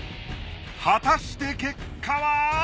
果たして結果は！？